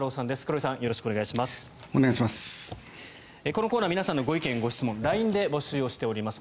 このコーナー皆さんのご意見・ご質問をＬＩＮＥで募集していります。